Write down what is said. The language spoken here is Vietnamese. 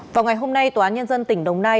vào ngày hôm nay tòa án nhân dân tỉnh đồng nai